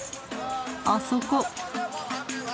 あそこ。